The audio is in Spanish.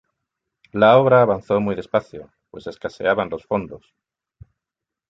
La obra avanzó muy despacio, pues escaseaban los fondos.